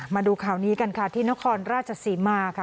มาดูข่าวนี้กันค่ะที่นครราชศรีมาค่ะ